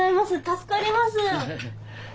助かります。